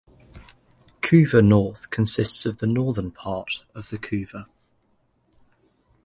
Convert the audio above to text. Couva North consists of the northern part of the Couva.